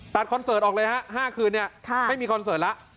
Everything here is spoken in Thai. คอนเสิร์ตออกเลยฮะ๕คืนเนี่ยไม่มีคอนเสิร์ตแล้ว